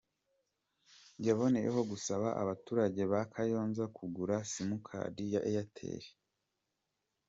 Yaboneyeho gusaba abaturage ba Kayonza kugura Simukadi ya Airtel.